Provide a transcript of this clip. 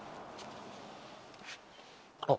あっ。